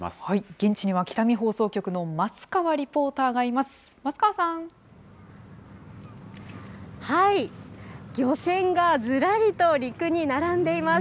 現地には北見放送局の舛川リポーターがいます。